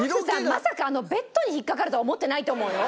まさかあのベッドに引っかかるとは思ってないと思うよ。